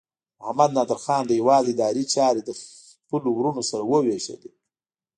محمد نادر خان د هیواد اداري چارې له خپلو وروڼو سره وویشلې.